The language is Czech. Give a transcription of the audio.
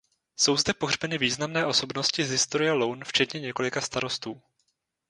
Jsou zde pohřbeny významné osobnosti z historie Loun včetně několika starostů.